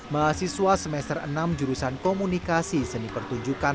mahasiswa semester enam jurusan komunikasi seni pertunjukan